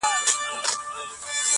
زما له هر څه نه توبه ده ماته ځان راکړه